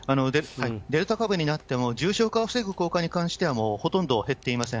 デルタ株になっても、重症化を防ぐ効果に関しては、もうほとんど減っていません。